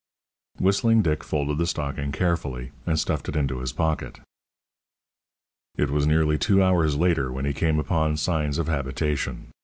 Whistling Dick folded the stocking carefully, and stuffed it into his pocket. It was nearly two hours later when he came upon signs of habitation.